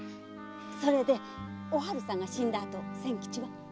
それでおはるさんが死んだあと千吉は？